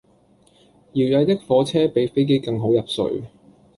搖曳的火車比飛機更好入睡